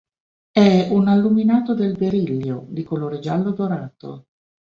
È un alluminato del berillio, di colore giallo dorato.